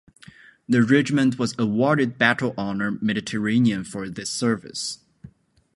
The regiment was awarded the Battle honour Mediterranean for this service.